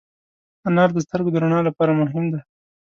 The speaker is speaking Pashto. انار د سترګو د رڼا لپاره مهم دی.